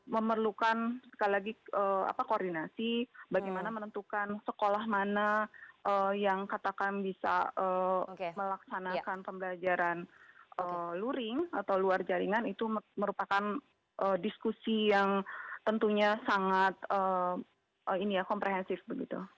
memerlukan sekali lagi koordinasi bagaimana menentukan sekolah mana yang katakan bisa melaksanakan pembelajaran luring atau luar jaringan itu merupakan diskusi yang tentunya sangat komprehensif begitu